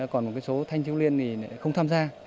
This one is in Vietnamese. còn một số thanh châu liên thì không tham gia